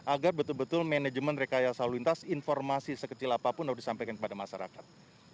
agar betul betul manajemen rekayasa lalu lintas informasi sekecil apapun harus disampaikan kepada masyarakat